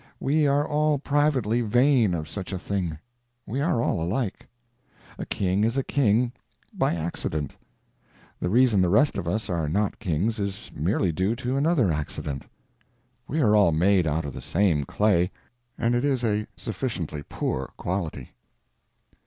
We are all privately vain of such a thing; we are all alike; a king is a king by accident; the reason the rest of us are not kings is merely due to another accident; we are all made out of the same clay, and it is a sufficiently poor quality.